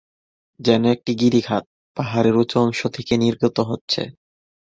যেন একটি গিরিখাত, পাহাড়ের উঁচু অংশ থেকে নির্গত হচ্ছে।